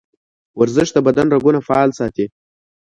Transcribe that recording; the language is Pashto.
ورزش د بدن رګونه فعال ساتي.